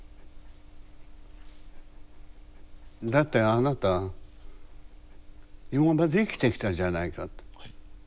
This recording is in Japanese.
だってあなた今まで生きてきたじゃないかって。